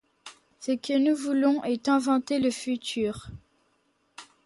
Ce que nous voulons est inventer le futur.